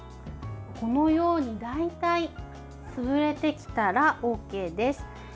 このように大体潰れてきたらＯＫです。